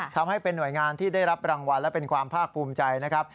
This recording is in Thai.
ทำให้เป็นหน่วยงานที่ได้รับรางวัลและเป็นความภาคภูมิใจนะครับ